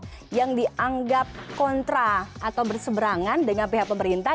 pemerintah yang dianggap kontra atau berseberangan dengan pihak pemerintah